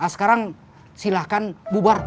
sekarang silahkan bubar